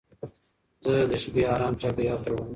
زه د شپې ارام چاپېریال جوړوم.